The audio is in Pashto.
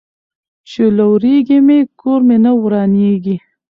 ـ چې لوريږي مې، کور مې نه ورانيږي.